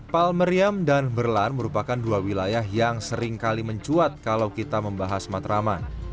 palmeriam dan berlan merupakan dua wilayah yang seringkali mencuat kalau kita membahas matraman